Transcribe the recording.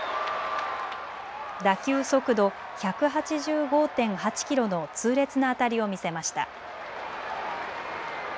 打球速度１８５．８キロの痛烈な当たりを見せました。